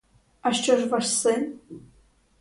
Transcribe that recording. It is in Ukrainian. А що ж ваш син?